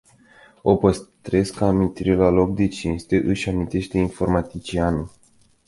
O păstrez ca amintire la loc de cinste își amintește informaticianul.